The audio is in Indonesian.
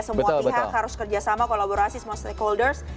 semua pihak harus kerjasama kolaborasi semua stakeholders